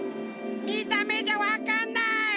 みためじゃわかんない。